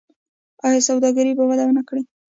آیا سوداګري به وده ونه کړي؟